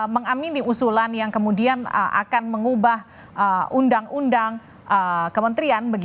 mengamini usulan yang kemudian akan mengubah undang undang kementerian